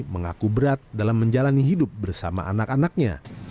mengaku berat dalam menjalani hidup bersama anak anaknya